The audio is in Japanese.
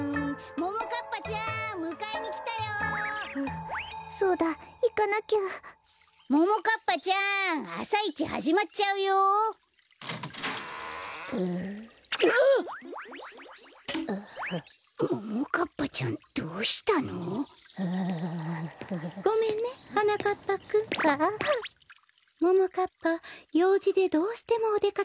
ももかっぱようじでどうしてもおでかけしなくちゃいけなくなったの。